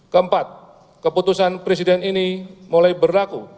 keempat keputusan presiden ini mulai berlaku